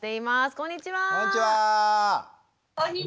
こんにちは！